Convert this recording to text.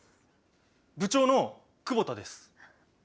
部長の久保田です。